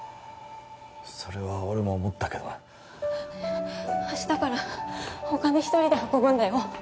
それは俺も思ったけど明日からお金一人で運ぶんだよ